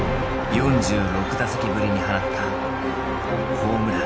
４６打席ぶりに放ったホームラン。